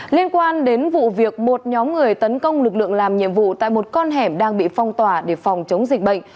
liên quan đến vụ việc một nhóm người tấn công lực lượng làm nhiệm vụ tại một con hẻm đang bị phong tỏa để phòng chống dịch bệnh